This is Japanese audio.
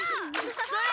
それ！